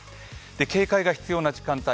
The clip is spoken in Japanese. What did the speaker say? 警戒が必要な時間帯。